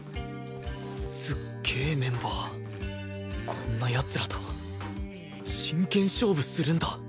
こんな奴らと真剣勝負するんだ